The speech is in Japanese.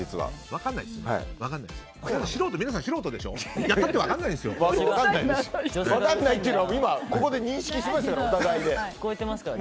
分からないっていうのを今、ここで認識しましたから。